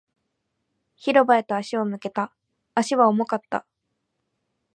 広場へと足を向けた。足は重かった。